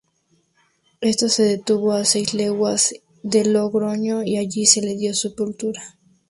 Esta se detuvo a seis leguas de Logroño y allí se le dio sepultura.